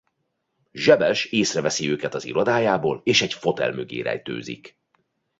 Zsebes észreveszi őket az irodájából és egy fotel mögé rejtőzik.